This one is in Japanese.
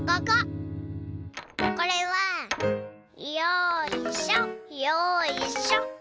これはよいしょ。